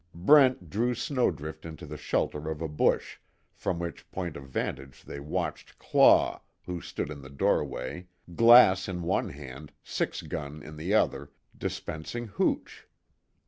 Brent drew Snowdrift into the shelter of a bush, from which point of vantage they watched Claw, who stood in the doorway, glass in one hand, six gun in the other, dispensing hooch.